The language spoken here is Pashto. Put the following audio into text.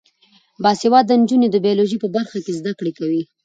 باسواده نجونې د بیولوژي په برخه کې زده کړې کوي.